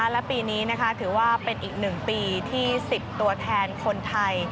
และปีนี้ถือว่าเป็นอีก๑ปีที่๑๐ตัวแทนคนไทย